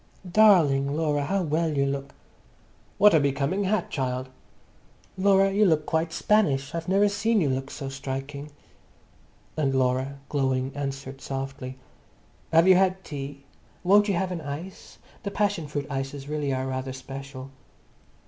"Darling Laura, how well you look!" "What a becoming hat, child!" "Laura, you look quite Spanish. I've never seen you look so striking." And Laura, glowing, answered softly, "Have you had tea? Won't you have an ice? The passion fruit ices really are rather special."